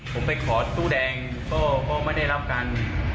ผมไปขอตู้แดงก็ไม่ได้รับการ